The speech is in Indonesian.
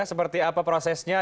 seperti apa prosesnya